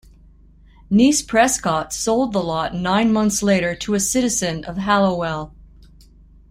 Niece Prescott sold the lot nine months later to a citizen of Hallowell.